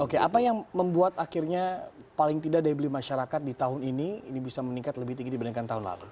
oke apa yang membuat akhirnya paling tidak daya beli masyarakat di tahun ini ini bisa meningkat lebih tinggi dibandingkan tahun lalu